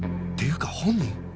っていうか本人？